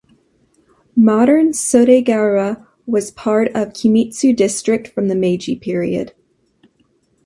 Modern Sodegaura was part of Kimitsu District from the Meiji period.